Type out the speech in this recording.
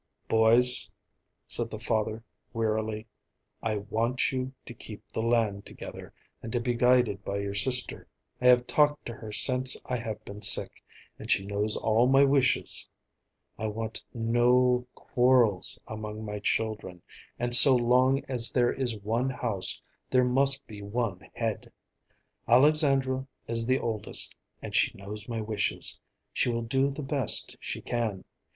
"Boys," said the father wearily, "I want you to keep the land together and to be guided by your sister. I have talked to her since I have been sick, and she knows all my wishes. I want no quarrels among my children, and so long as there is one house there must be one head. Alexandra is the oldest, and she knows my wishes. She will do the best she can.